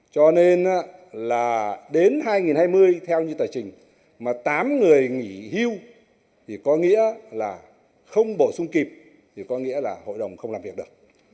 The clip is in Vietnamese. cho nên là đến hai nghìn hai mươi theo như tờ trình mà tám người nghỉ hưu thì có nghĩa là không bổ sung kịp thì có nghĩa là hội đồng không làm việc được